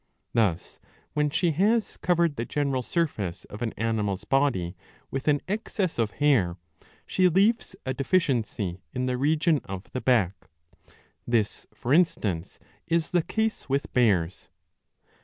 Thus when she has covered the general surface of an animal's body with an excess of hair, she leaves a deficiency in the region of the back. This for instance is the case with bears.'